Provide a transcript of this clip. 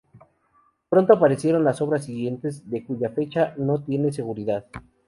Pronto aparecieron las obras siguientes, de cuya fecha no se tiene seguridad.